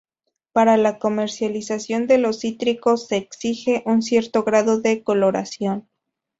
Para la comercialización de los cítricos se exige un cierto grado de coloración.